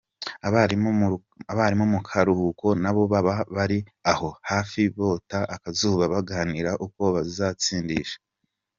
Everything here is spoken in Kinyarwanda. Abarimu mu karuhuko nabo baba bari aho hafi bota akazuba baganira uko bazatsindisha.